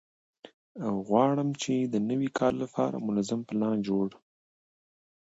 او غواړم چې د نوي کال لپاره منظم پلان جوړ